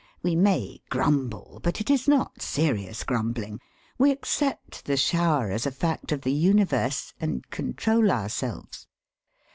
We may grumble, but it is not serious grumbling; we accept the shower as a fact of the universe, and control ourselves.